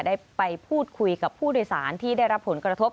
ได้ไปพูดคุยกับผู้โดยสารที่ได้รับผลกระทบ